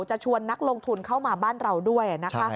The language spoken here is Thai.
ชวนนักลงทุนเข้ามาบ้านเราด้วยนะคะ